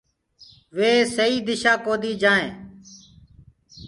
وي سهيٚ دِشآ ڪوديٚ جآئين۔